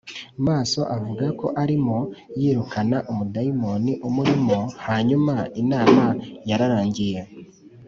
maso avuga ko arimo yirukana umudayimoni umurimo Hanyuma inama yararangiye